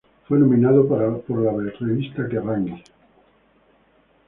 Fue nominado para la revista Kerrang!